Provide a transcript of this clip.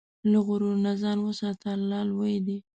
له غرور نه ځان وساته، الله لوی دی.